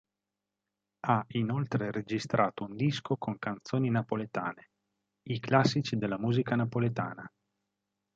Ha inoltre registrato un disco con canzoni napoletane, "I classici della musica napoletana".